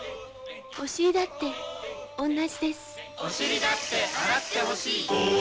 おしりだって同じです。